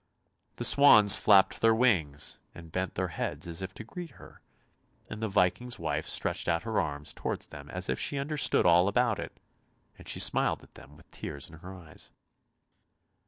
The swans flapped their wings and bent their heads as if to greet her, and the Viking's wife stretched out her arms towards them as if she understood all about it, and she smiled at them with tears in her eyes.